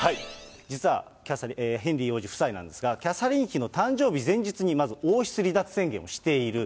実は、ヘンリー王子夫妻なんですが、キャサリン妃の誕生日前日にまず王室離脱宣言をしている。